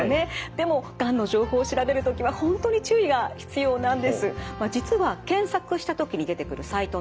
でもがんの情報を調べる時は本当に注意が必要なんです。